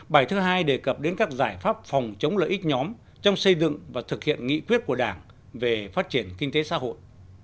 bài thứ hai đề cập đến các giải pháp phòng chống lợi ích nhóm trong xây dựng và thực hiện nghị quyết của đảng về phát triển kinh tế xã hội